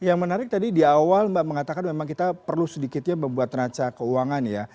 yang menarik tadi di awal mbak mengatakan memang kita perlu sedikitnya membuat raca keuangan ya